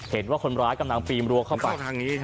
เห็นว่าคนร้ายกำลังปีมรั้วเข้าไป